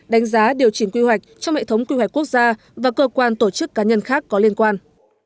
đánh giá điều chỉnh quy hoạch trong hệ thống quy hoạch quốc gia và cơ quan tổ chức cá nhân khác có liên quan